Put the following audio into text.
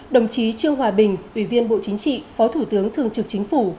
đồng chí trương hòa bình ủy viên bộ chính trị phó thủ tướng thường trực chính phủ